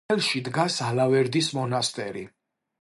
სოფელში დგას ალავერდის მონასტერი.